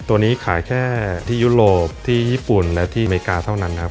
ตัวนี้ขายแค่ที่ยุโรปที่ญี่ปุ่นและที่อเมริกาเท่านั้นครับ